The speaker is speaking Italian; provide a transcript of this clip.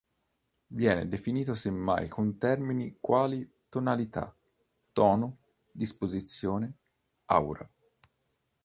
Viene definito semmai con termini quali tonalità, tono, disposizione, aura.